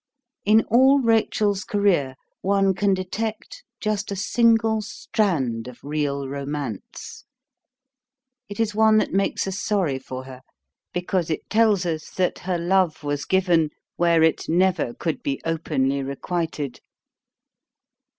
In all Rachel's career one can detect just a single strand of real romance. It is one that makes us sorry for her, because it tells us that her love was given where it never could be openly requited.